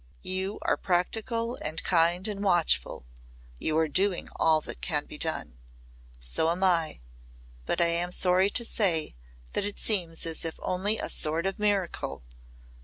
You are practical and kind and watchful. You are doing all that can be done. So am I. But I am sorry to say that it seems as if only a sort of miracle